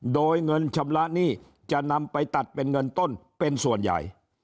โดยเงินชำระหนี้จะนำไปตัดเป็นเงินต้นเป็นส่วนใหญ่